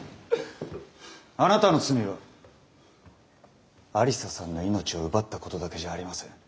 あなたの罪は愛理沙さんの命を奪ったことだけじゃありません。